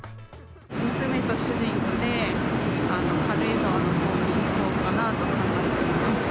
娘と主人とで、軽井沢のほうに行こうかなと考えています。